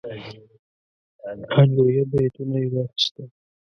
هجویه بیتونه یې واخیستل.